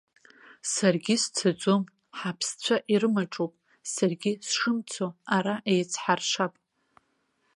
Саргьы сцаӡом, ҳаԥсцәа ирымаҿоуп саргьы сшымцо, ара еицҳаршап!